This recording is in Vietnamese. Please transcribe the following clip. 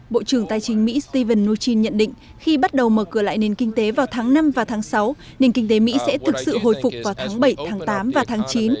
bộ trưởng tài chính mỹ stephen mnuchin nhận định khi bắt đầu mở cửa lại nền kinh tế vào tháng năm và tháng sáu nền kinh tế mỹ sẽ thực sự hồi phục vào tháng bảy tháng tám và tháng chín